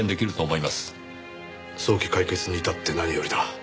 早期解決に至って何よりだ。